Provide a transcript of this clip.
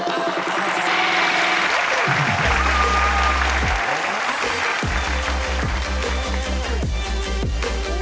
โอ้โฮโอ้โฮโอ้โฮโอ้โฮ